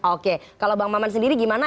oke kalau bang maman sendiri gimana